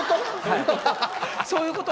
そういうこと？